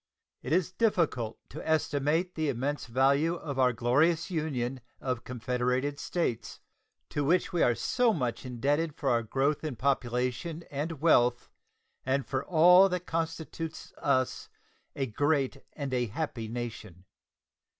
It is difficult to estimate the "immense value" of our glorious Union of confederated States, to which we are so much indebted for our growth in population and wealth and for all that constitutes us a great and a happy nation.